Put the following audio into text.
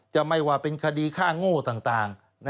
จะไม่ว่าเป็นคดีฆ่าโง่ต่าง